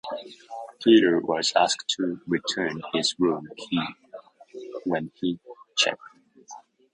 Peter was asked to return his room key when he checked